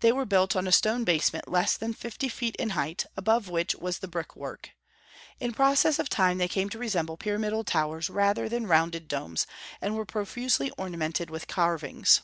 They were built on a stone basement less than fifty feet in height, above which was the brickwork. In process of time they came to resemble pyramidal towers rather than rounded domes, and were profusely ornamented with carvings.